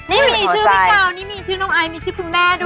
นี่มีชื่อพี่กาวนี่มีชื่อน้องไอซ์มีชื่อคุณแม่ด้วย